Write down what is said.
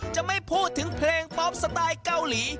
จะไม่พูดถึงเพลงป๊อปสไตล์เกาหลี